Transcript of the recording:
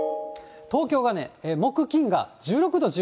東京がね、木、金が１６度、１８度。